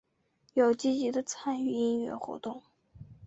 有积极的参与音乐活动。